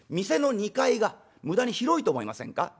店の二階が無駄に広いと思いませんか？